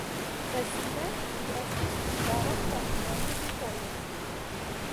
Resume li estis hungara ĉampiono dufoje.